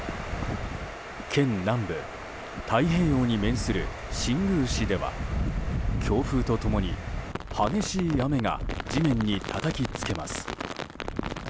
県南部太平洋に面する新宮市では強風と共に激しい雨が地面にたたきつけます。